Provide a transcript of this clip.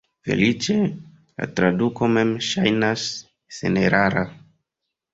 Feliĉe, la traduko mem ŝajnas senerara.